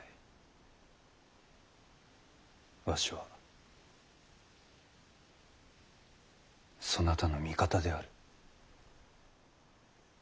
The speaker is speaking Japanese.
わしはそなたの味方である。